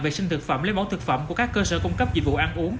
vệ sinh thực phẩm lấy bỏ thực phẩm của các cơ sở cung cấp dịch vụ ăn uống